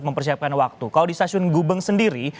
mempersiapkan waktu kalau di stasiun gubeng sendiri